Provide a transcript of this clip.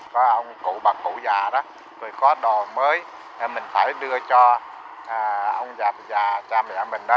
có ông cụ bà cụ già đó rồi có đồ mới mình phải đưa cho ông dạch và cha mẹ mình đó